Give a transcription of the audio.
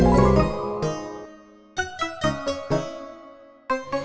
kenapa bisa begitu